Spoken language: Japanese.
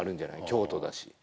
京都だし